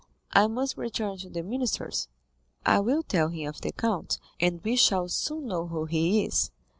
I must return to the minister's. I will tell him of the count, and we shall soon know who he is."